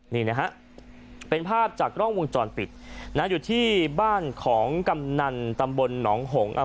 นี่นะฮะเป็นภาพจากกล้องวงจรปิดนะอยู่ที่บ้านของกำนันตำบลหนองหง